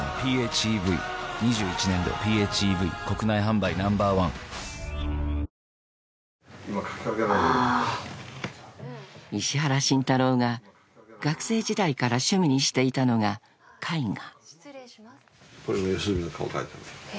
ダイハツ大決算フェア［石原慎太郎が学生時代から趣味にしていたのが絵画］